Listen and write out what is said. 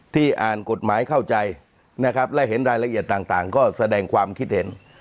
อ่านกฎหมายเข้าใจนะครับและเห็นรายละเอียดต่างก็แสดงความคิดเห็น